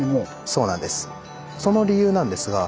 そうなんです。